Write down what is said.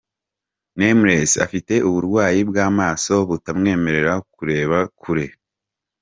Nameless afite uburwayi bw’amaso butamwemerera kureba kure.